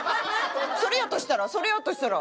それやとしたらそれやとしたら。